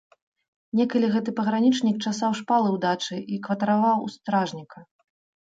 Некалі гэты пагранічнік часаў шпалы ў дачы і кватараваў у стражніка.